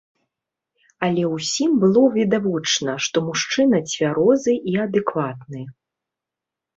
Але ўсім было відавочна, што мужчына цвярозы і адэкватны.